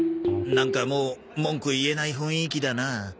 なんかもう文句言えない雰囲気だな。